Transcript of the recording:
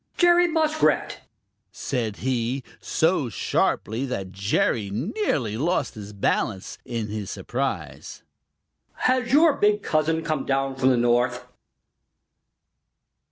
"Jerry Muskrat," said he, so sharply that Jerry nearly lost his balance in his surprise, "has your big cousin come down from the North?"